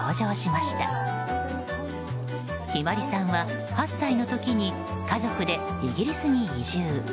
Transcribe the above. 向日葵さんは８歳の時に家族でイギリスに移住。